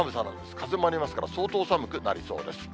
風もありますから、相当寒くなりそうです。